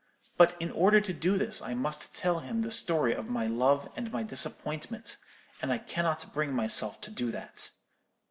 But in order to do this I must tell him the story of my love and my disappointment; and I cannot bring myself to do that.